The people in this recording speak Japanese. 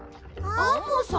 アンモさん。